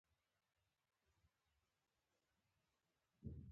کله چي ما ستا سره مينه وکړه